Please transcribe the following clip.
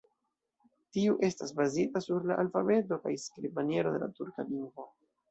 Tiu estas bazita sur la alfabeto kaj skribmaniero de la turka lingvo.